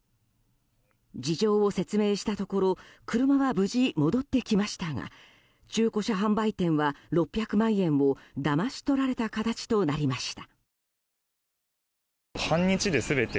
事情を説明したところ車は無事戻ってきましたが中古車販売店は６００万円をだまし取られた形となりました。